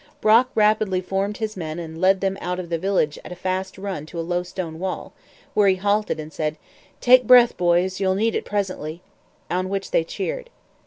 Brock rapidly formed his men and led them out of the village at a fast run to a low stone wall, where he halted and said, 'Take breath, boys; you'll need it presently!' on which they cheered.